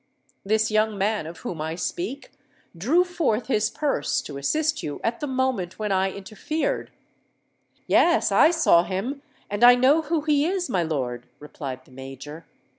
This young man of whom I speak, drew forth his purse to assist you at the moment when I interfered." "Yes—I saw him, and I know who he is, my lord," replied the Major.